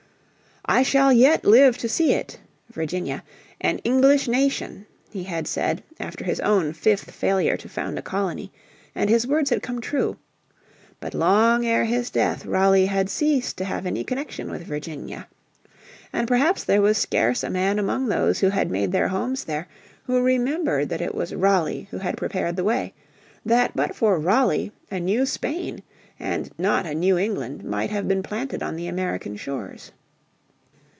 "I shall yet live to see it (Virginia) an English nation," he had said, after his own fifth failure to found a colony, and his words had come true. But long ere his death Raleigh had ceased to have any connection with Virginia. And perhaps there was scarce a man among those who had made their homes there who remembered that it was Raleigh who had prepared the way, that but for Raleigh a new Spain and not a New England might have been planted on the American shores.